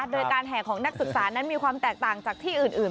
โดยการแห่ของนักศึกษานั้นมีความแตกต่างจากที่อื่น